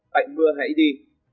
bệnh mưa hãy đi